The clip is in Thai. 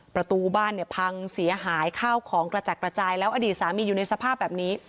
ประตูบ้านเนี่ยพังเสียหายข้าวของกระจัดกระจายแล้วอดีตสามีอยู่ในสภาพแบบนี้